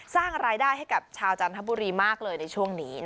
สร้างรายได้ให้กับชาวจันทบุรีมากเลยในช่วงนี้